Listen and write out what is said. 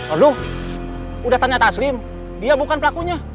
aduh udah tanya taslim dia bukan pelakunya